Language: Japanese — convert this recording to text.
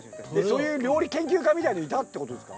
そういう料理研究家みたいなのいたってことですか？